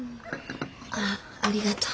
ああありがとう。